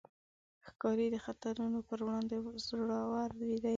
ښکاري د خطرونو پر وړاندې زړور دی.